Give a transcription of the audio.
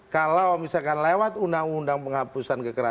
kalau misalkan lewat undang undang penghapusan kekerasan